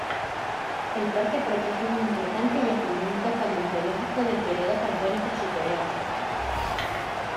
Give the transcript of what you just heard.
El parque protege un importante yacimiento paleontológico del período carbónico superior.